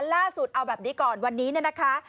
ล่าสุดเอาแบบนี้ก่อนวันนี้เนี่ยนะคะ